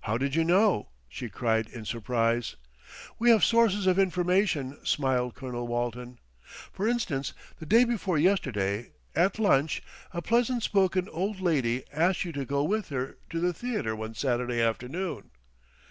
"How did you know?" she cried in surprise. "We have sources of information," smiled Colonel Walton. "For instance, the day before yesterday, at lunch, a pleasant spoken old lady asked you to go with her to the theatre one Saturday afternoon."